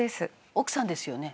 奥さんですよね？